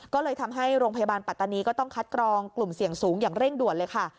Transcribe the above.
ก็เลยทำให้โรงพยาบาลปัตตานีก็ต้องคัดกรองกลุ่มเสี่ยงสูงอย่างเร่งด่วนเลยค่ะ